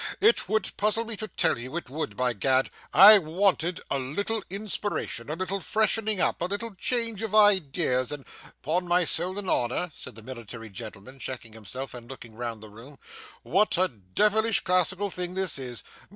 It would puzzle me to tell you, it would by Gad. I wanted a little inspiration, a little freshening up, a little change of ideas, and 'Pon my soul and honour,' said the military gentleman, checking himself and looking round the room, 'what a devilish classical thing this is!